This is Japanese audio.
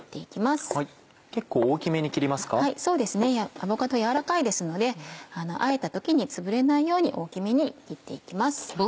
アボカド柔らかいですのであえた時につぶれないように大きめに切って行きます。